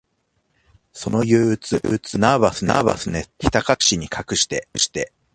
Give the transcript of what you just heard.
その憂鬱、ナーバスネスを、ひたかくしに隠して、